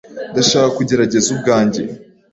Ndashaka kugerageza ubwanjye.